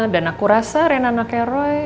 dan aku rasa rheuna nakeroi